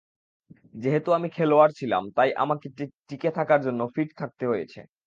যেহেতু আমি খেলোয়াড় ছিলাম, তাই আমাকে টিকে থাকার জন্য ফিট থাকতে হয়েছে।